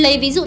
lấy ví dụ này